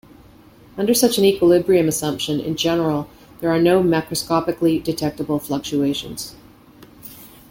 Under such an equilibrium assumption, in general, there are no macroscopically detectable fluctuations.